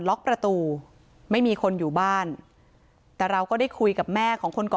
ล็อกประตูไม่มีคนอยู่บ้านแต่เราก็ได้คุยกับแม่ของคนก่อ